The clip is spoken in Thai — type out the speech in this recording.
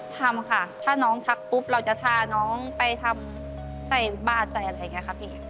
ทำค่ะถ้าน้องทักปุ๊บเราจะทาน้องไปทำใส่บ้าใส่อะไรแค่ครับเอง